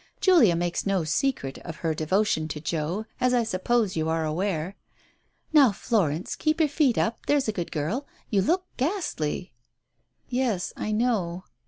Julia makes no secret of her devotion to Joe, as I suppose you are aware? ... Now, Florence, keep your feet up — there's a good girl ! You look ghastly." "Yes, I know.